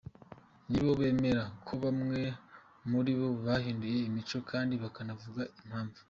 Nabo bemera ko bamwe muribo bahinduye imico kandi bakanavuga impamvu.